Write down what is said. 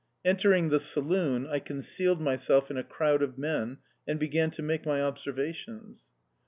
Entering the saloon, I concealed myself in a crowd of men, and began to make my observations.